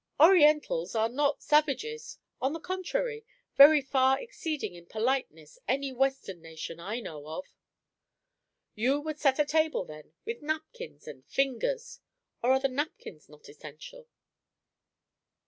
"Orientals are not savages. On the contrary, very far exceeding in politeness any western nation I know of." "You would set a table, then, with napkins and fingers! Or are the napkins not essential?"